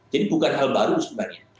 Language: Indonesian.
jadi bukan hal baru sebenarnya